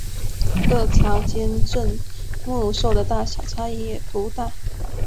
各朝间镇墓兽的大小差异也不大。